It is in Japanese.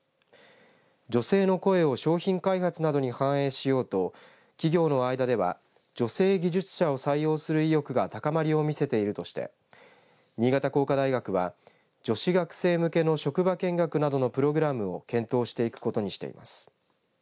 女性の声を商品開発などに反映しようと企業の間では女性技術者を採用する意欲が高まりを見せているとして新潟工科大学は女子学生向けの職場見学などのプログラムを検討していくことにしています。